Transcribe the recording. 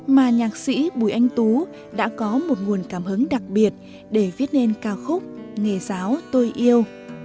mà nhạc sĩ bùi anh tú đã có một nguồn cảm hứng đặc biệt để viết nên ca khúc nghề giáo tôi yêu